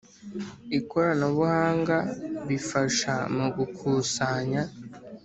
Ikoranabuhanga Bifasha Mu Gukusanya